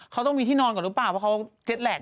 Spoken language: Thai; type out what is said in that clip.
เขาต้องมีที่นอนก่อนหรือเปล่าเพราะเขาเจ็ตแลต